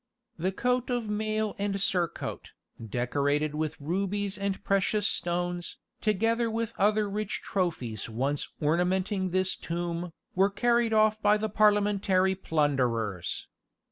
The coat of mail and surcoat, decorated with rubies and precious stones, together with other rich trophies once ornamenting this tomb, were carried off by the Parliamentary plunderers.